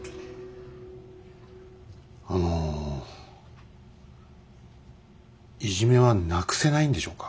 あのいじめはなくせないんでしょうか。